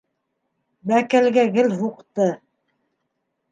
Бәкәлгә гел һуҡты.